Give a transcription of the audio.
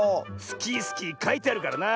「スキースキー」かいてあるからな。